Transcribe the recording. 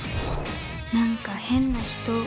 何か変な人。